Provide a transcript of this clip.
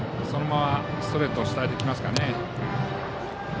そのまま、ストレート主体できますかね。